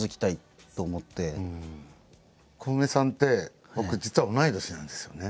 コウメさんって僕実は同い年なんですよね。